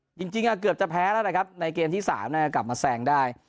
จริงจริงอ่ะเกือบจะแพ้แล้วนะครับในเกมที่สามน่ะกลับมาแทรงได้